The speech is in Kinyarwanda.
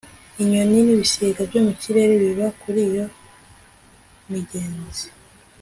Inyoni nibisiga byo mu kirere biba kuri iyo migezi